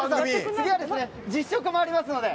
次は実食もありますので。